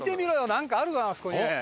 なんかあるぞあそこに。